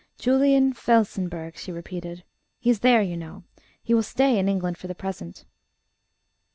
"Julian Felsenburgh," she repeated. "He is there, you know. He will stay in England for the present."